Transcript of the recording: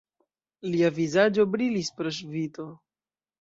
Lia vizaĝo brilis pro ŝvito.